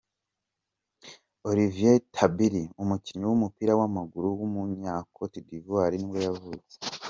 Olivier Tébily, umukinnyi w’umupira w’amaguru w’umunyakote d’ivoire nibwo yavutse.